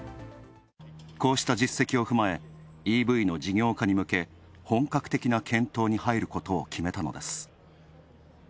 こうした実績を踏まえＥＶの事業家に向け本格的な検討に入ることを決めたのです。